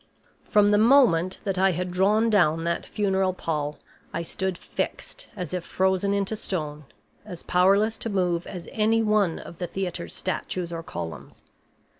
From the moment that I had drawn down that funeral pall I stood fixed as if frozen into stone, as powerless to move as anyone of the theater's statues or columns.